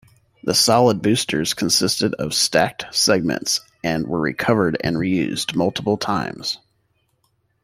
The solid boosters consisted of stacked segments, and were recovered and reused multiple times.